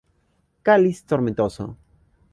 Cáliz tomentoso.